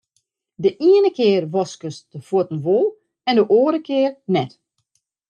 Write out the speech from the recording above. De iene kear waskest de fuotten wol en de oare kear net.